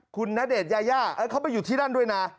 คุณณเดชน์ยายาเขาไปอยู่ที่นั่นด้วยนะ